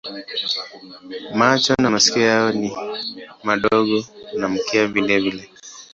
Macho na masikio yao ni madogo na mkia vilevile.